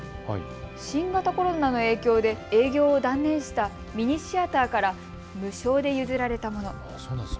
新型コロナの影響で営業を断念したミニシアターから無償で譲られたもの。